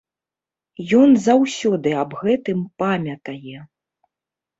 Ён заўсёды аб гэтым памятае.